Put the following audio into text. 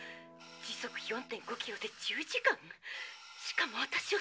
時速４．５キロで１０時間⁉しかも私を背負って。